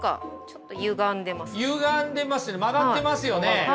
何かゆがんでますよね曲がってますよね。